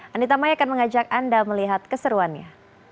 anita mai akan mengajak anda melihat keseruannya